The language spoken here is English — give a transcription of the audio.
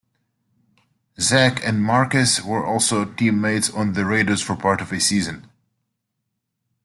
Zach and Marques were also teammates on the Raiders for part of a season.